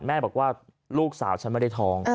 แม่บอกว่าลูกสาวฉันไม่ได้ท้อง